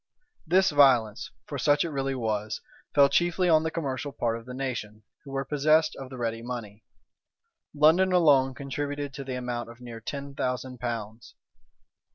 This violence (for such it really was) fell chiefly on the commercial part of the nation, who were possessed of the ready money. London alone contributed to the amount of near ten thousand pounds.